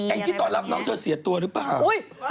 แอคกี่ตัวรับน้องเชื่อเสียตัวหรือป่าว